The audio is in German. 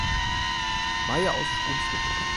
Mayer aus Schruns geboren.